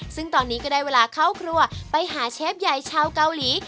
ซึ่งตอนนี้ก็ได้เวลาเข้าครัวไปหาเชฟใหญ่ชาวเกาหลี